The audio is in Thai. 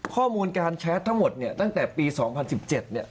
ข้อมูลการแชททั้งหมดเนี่ยตั้งแต่ปี๒๐๑๗เนี่ย